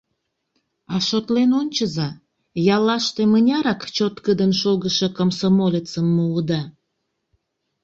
А шотлен ончыза: яллаште мынярак чоткыдын шогышо комсомолецым муыда?